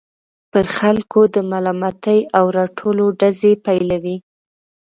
پر خلکو د ملامتۍ او رټلو ډزې پيلوي.